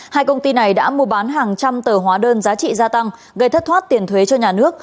hai công ty này đã mua bán hàng trăm tờ hóa đơn giá trị gia tăng gây thất thoát tiền thuế cho nhà nước